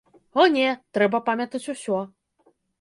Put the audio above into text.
О не, трэба памятаць усё.